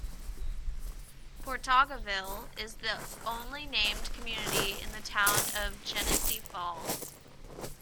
Portageville is the only named community in the town of Genesee Falls.